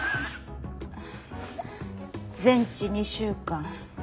全治２週間。